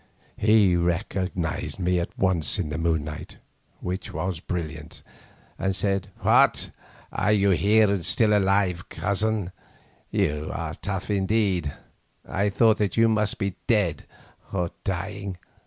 He recognised me at once in the moonlight, which was brilliant, and said, "What! are you here and still alive, Cousin? You are tough indeed; I thought that you must be dead or dying.